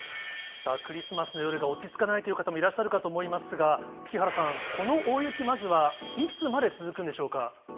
クリスマスの夜が落ち着かないという方もいらっしゃるかと思いますが、木原さん、この大雪、まずはいつまで続くんでしょうか。